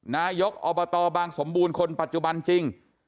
นายกอบตบางสมบูรณ์คนปัจจุบันจริง